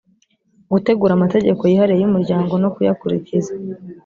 gutegura amategeko yihariye y’umuryango no kuyakurikiza